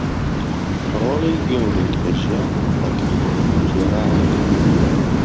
رۆڵی گەورەی لە ژیانی کوڕەکەی گێڕاوە